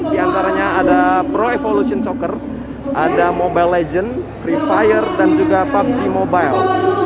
di antaranya ada pro evolution soccer ada mobile legends free fire dan juga pubg mobile